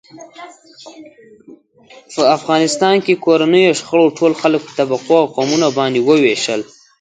په افغانستان کې کورنیو شخړو ټول خلک په طبقو او قومونو باندې و وېشل.